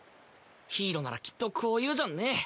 ヒイロならきっとこう言うじゃんね。